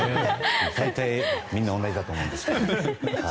大体みんな同じだと思うんですけど。